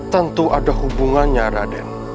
tentu ada hubungannya raden